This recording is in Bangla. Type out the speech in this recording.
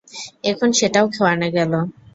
এখন সেটাও খোয়ানো গেল।